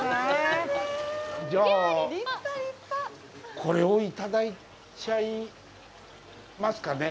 じゃあ、これをいただいちゃいますかね。